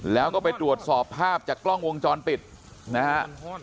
แล้วก็ไปตรวจสอบภาพจากกล้องวงจรปิดนะฮะ